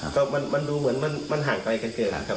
ก็มันดูเหมือนมันห่างไกลกันเกินแล้วครับ